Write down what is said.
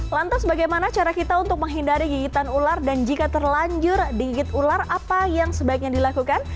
lantas bagaimana cara kita untuk menghindari gigitan ular dan jika terlanjur digigit ular apa yang sebaiknya dilakukan